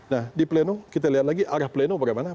nah di pleno kita lihat lagi arah pleno bagaimana